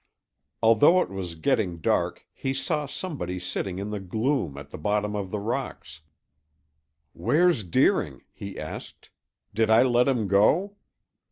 Although it was getting dark, he saw somebody sitting in the gloom at the bottom of the rocks. "Where's Deering?" he asked. "Did I let him go?"